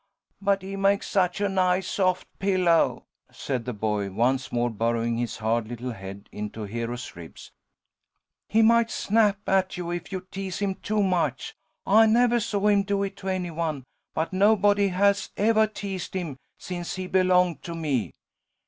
"But he makes such a nice, soft pillow," said the boy, once more burrowing his hard little head into Hero's ribs. "He might snap at you if you tease him too much. I nevah saw him do it to any one, but nobody has evah teased him since he belonged to me."